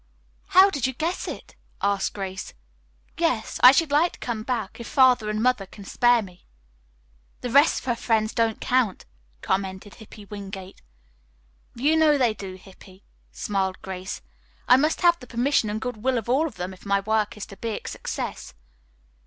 "How did you guess it?" asked Grace. "Yes, I should like to come back if Father and Mother can spare me." "The rest of her friends don't count," commented Hippy Wingate. "You know they do, Hippy," smiled Grace. "I must have the permission and good will of all of them if my work is to be a success."